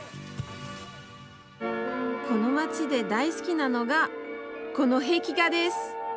この街で大好きなのがこの壁画です。